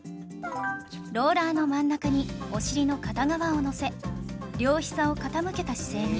ローラーの真ん中にお尻の片側をのせ両ひざを傾けた姿勢に